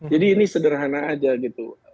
jadi ini sederhana aja gitu